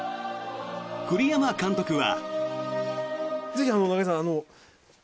栗山監督は。